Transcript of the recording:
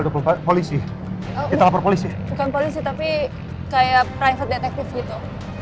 bukan polisi tapi seperti detektif pribadi